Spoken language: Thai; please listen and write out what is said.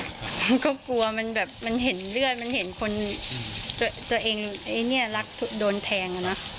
มันก็กลัวมันเห็นเลือดมันเห็นตัวเองรักโดนแทง